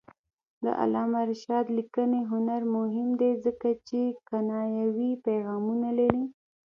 د علامه رشاد لیکنی هنر مهم دی ځکه چې کنایوي پیغامونه لري.